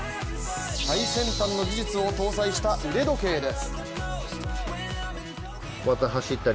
最先端の技術を搭載した腕時計です。